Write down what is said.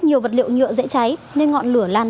nhiều vật liệu nhựa dễ cháy nên ngọn lửa lan